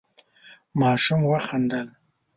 ماشوم وخندل.